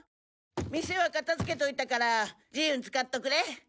店は片付けておいたから自由に使っておくれ。